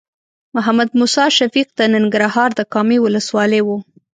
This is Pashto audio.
محمد موسی شفیق د ننګرهار د کامې ولسوالۍ و.